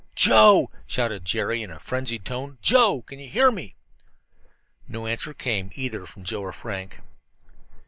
"Joe," shouted Jerry in a frenzied tone. "Joe! Can you hear me?" No answer came, either from Joe or Frank.